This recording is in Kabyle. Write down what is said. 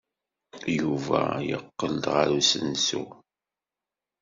Yuba yeqqel-d ɣer usensu.